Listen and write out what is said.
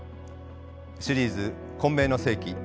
シリーズ「混迷の世紀」